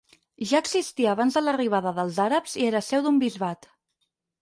Ja existia abans de l'arribada dels àrabs i era seu d'un bisbat.